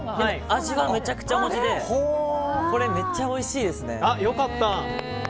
味はめちゃくちゃお餅でこれ、めっちゃおいしいですね。